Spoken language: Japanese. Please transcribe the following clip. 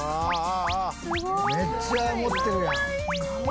「めっちゃ持ってるやん」